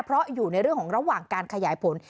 เพราะอยู่ในเรื่องของระหว่างการขยายผล